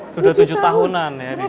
sudah tujuh tahunan ya di sini